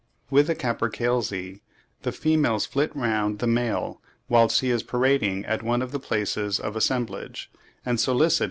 With the capercailzie, the females flit round the male whilst he is parading at one of the places of assemblage, and solicit his attention.